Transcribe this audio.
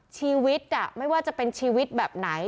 ชีวิตไม่ว่าจะเป็นชีวิตแบบไหน